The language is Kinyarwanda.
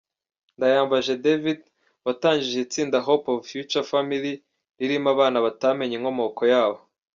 Ndayambaje David watangije itsinda ‘Hope of Future Family’ ririmo abana batamenye inkomoko yabo.